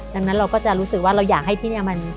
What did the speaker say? ดังนั้นเราก็จะรู้สึกว่าเราอยากให้ที่นี่มัน